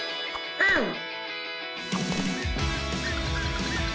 うん！